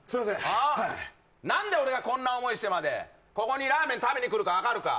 はい何で俺がこんな思いしてまでここにラーメン食べに来るか分かるか？